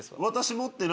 私。